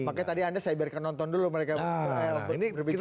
makanya tadi anda saya biarkan nonton dulu mereka berbicara